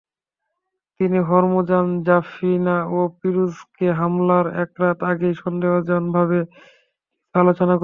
তিনি হরমুজান, জাফিনা ও পিরুজকে হামলার এক রাত আগে সন্দেহজনকভাবে কিছু আলোচনা করতে দেখেন।